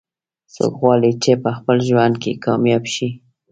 څوک غواړي چې په خپل ژوند کې کامیاب شي